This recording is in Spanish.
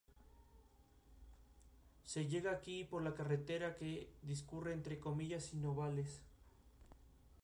Más tarde estudió dos años de Derecho en la Universidad Santiago de Cali.